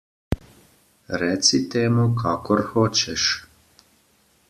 Reci temu kakor hočeš.